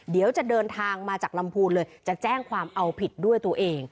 เดี๋ยวจะเดินทางมาจากลำพูนเลยจะแจ้งความเอาผิดด้วยตัวเอง